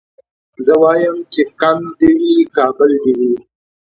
زه وايم چي کند دي وي کابل دي وي